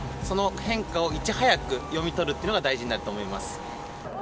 その変化をいち早く読み取るというのが大事になると思います。